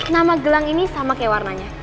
nama gelang ini sama kayak warnanya